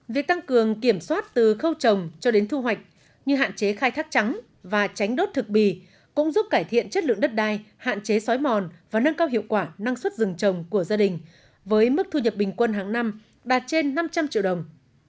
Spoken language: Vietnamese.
việc tăng cường kiểm soát từ khâu trồng cho đến thu hoạch như hạn chế khai thác trắng và tránh đốt thực bì cũng giúp cải thiện chất lượng đất đai hạn chế xói mòn và nâng cao hiệu quả năng suất rừng trồng của gia đình với mức thu nhập bình quân hàng năm đạt trên năm trăm linh triệu đồng